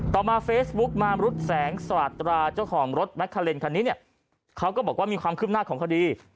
ต่อมาเฟซบุ๊กมามรุษแสงสราตราเจ้าของรถแมคคาเลนคันนี้เนี่ยเขาก็บอกว่ามีความคืบหน้าของคดี